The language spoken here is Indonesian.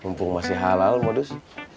mumpung masih halal modus